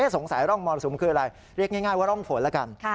ร่องมรสุมคืออะไรเรียกง่ายว่าร่องฝนแล้วกัน